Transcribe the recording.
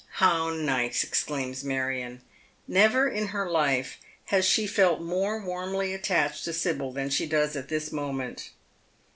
" How nice !" exclaims Marion. Never in her life has she felt more warmly attached to Sibyl than she does at this moment.